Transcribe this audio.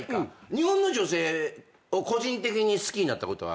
日本の女性を個人的に好きになったことはありますか？